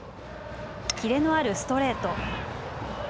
キレのあるストレート。